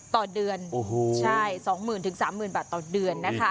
ต่อเดือนใช่สองหมื่นถึงสามหมื่นบาทต่อเดือนนะคะ